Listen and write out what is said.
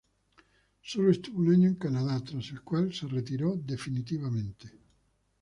Sólo estuvo un año en Canadá, tras el cual se retiró definitivamente.